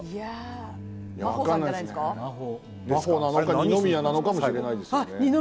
二宮かもしれないですよね。